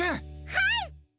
はい！